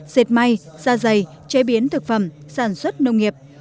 xệt may ra dày chế biến thực phẩm sản xuất nông nghiệp